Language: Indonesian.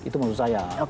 itu maksud saya